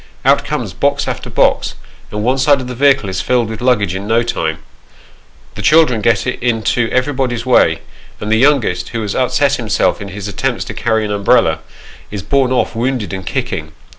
Out comes box after box, and one side of the vehicle is filled with luggage in no time ; the children get into everybody's way, and the youngest, who has upset himself in his attempts to carry an umbrella, is borne off wounded and kicking.